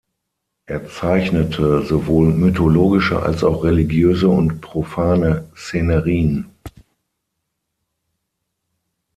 Er zeichnete sowohl mythologische als auch religiöse und profane Szenerien.